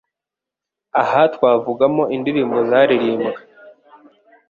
Aha twavugamo indirimbo zaririmbwe